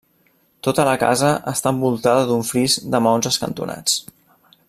Tota la casa està envoltada d'un fris de maons escantonats.